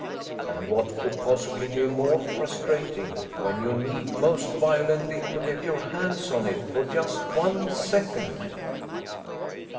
And what could possibly be more frustrating ... when you need, most violently, to get your hands on it for just one second....